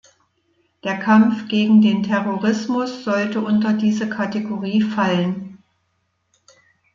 Der Kampf gegen den Terrorismus sollte unter diese Kategorie fallen.